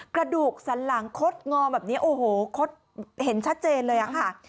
กระดูกสันหลังคดงอแบบนี้โอ้โหคดเห็นชัดเจนเลยอะค่ะ